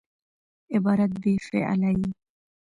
عبارت بې فعله يي.